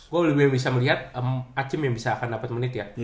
gua lebih bisa melihat acem yang bisa dapet menit ya